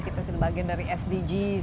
kita sedang bagian dari sdg